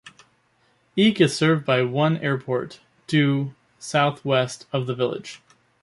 Eek is serviced by one airport, due southwest of the village.